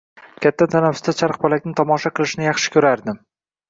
Katta tanafufusda charxpalakni tomosha qilishni yaxshi ko’rardim.